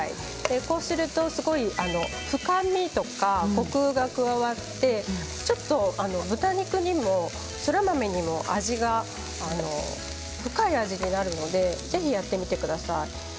こうするとすごく深みとかコクが加わってちょっと豚肉にもそら豆にも味が深い味になるのでぜひやってみてください。